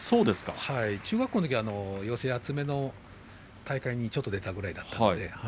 中学校のときは寄せ集めの大会にちょっと出たくらいでした。